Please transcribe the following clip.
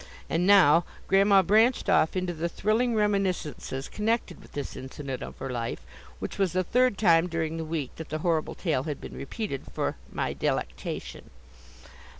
And now, Grandma branched off into the thrilling reminiscences connected with this incident of her life, which was the third time during the week that the horrible tale had been repeated for my delectation.